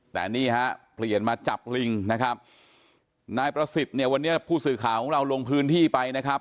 แต่นี่ฮะเปลี่ยนมาจับลิงนะครับนายประสิทธิ์เนี่ยวันนี้ผู้สื่อข่าวของเราลงพื้นที่ไปนะครับ